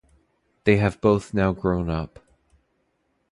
They have both now grown up.